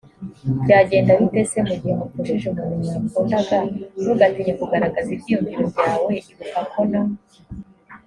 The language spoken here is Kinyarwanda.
byagenda bite se mu gihe mupfushije umuntu mwakundaga ntugatinye kugaragaza ibyiyumvo byawe ibuka ko na